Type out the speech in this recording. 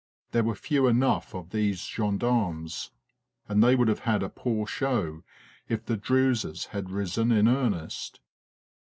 There were few enough of these gendarmes, and they would have had a poo 74 FORGOTTEN WARFARE show if the Druses had risen in earnest.